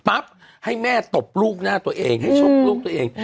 ให้แม่ตบลูกหน้าตัวเองให้ชกลูกตัวเอง